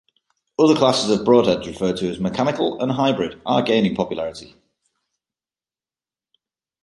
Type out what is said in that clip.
Other classes of broadheads referred to as "mechanical" and "hybrid" are gaining popularity.